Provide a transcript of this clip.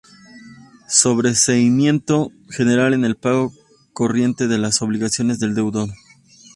Sobreseimiento general en el pago corriente de las obligaciones del deudor.